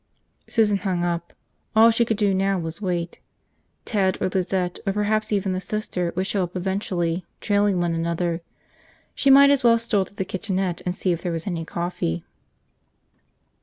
Susan hung up. All she could do now was wait. Ted or Lizette or perhaps even the Sister would show up eventually, trailing one another. She might as well stroll to the kitchenette and see if there was any coffee.